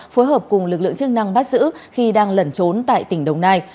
phối hợp cùng lực lượng chức năng bắt giữ khi đang lẩn trốn tại tỉnh đồng nai